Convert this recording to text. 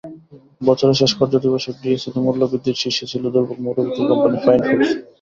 বছরের শেষ কার্যদিবসেও ডিএসইতে মূল্য বৃদ্ধির শীর্ষে ছিল দুর্বল মৌলভিত্তির কোম্পানি ফাইন ফুডস।